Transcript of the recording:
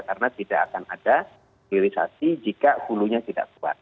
karena tidak akan ada hilirisasi jika hulunya tidak kuat